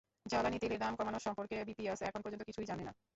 জ্বালানি তেলের দাম কমানো সম্পর্কে বিপিসি এখন পর্যন্ত কিছুই জানে না।